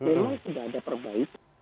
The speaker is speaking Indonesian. memang sudah ada perbaikan